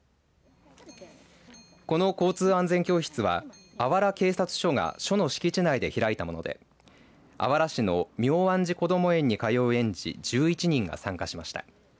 この交通安全教室はあわら警察署が署の敷地内で開いたものであわら市の妙案寺こども園に通う園児１１人が参加しました。